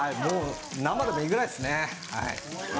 生でもいいぐらいですね。